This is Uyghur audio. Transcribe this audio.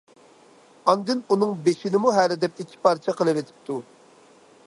ئاندىن ئۇنىڭ بېشىنىمۇ ھەرىدەپ ئىككى پارچە قىلىۋېتىپتۇ.